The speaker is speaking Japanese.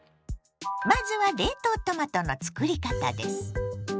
まずは冷凍トマトのつくり方です。